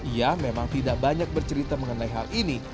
ia memang tidak banyak bercerita mengenai hal ini